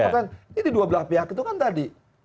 jadi di dua belah pihak itu kan tadi